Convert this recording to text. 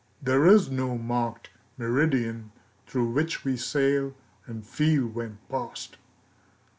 There is no marked meridian Through which we sail, and feel when past.